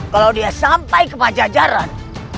kalau dia sampai ke pajajaran